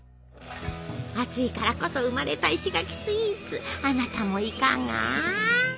暑いからこそ生まれた石垣スイーツあなたもいかが！